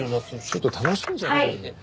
ちょっと楽しんじゃってる。